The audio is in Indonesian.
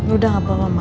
udah gak apa apa mama